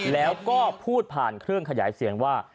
แล้วก็พูดผ่านเครื่องขยายเสียงว่า